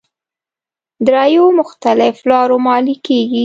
داراییو مختلف لارو ماليې کېږي.